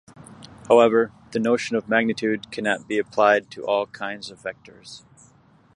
However, the notion of magnitude cannot be applied to all kinds of vectors.